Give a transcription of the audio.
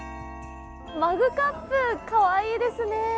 マグカップ、かわいいですね。